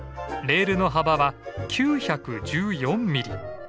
レールの幅は９１４ミリ。